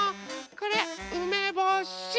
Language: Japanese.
これうめぼし。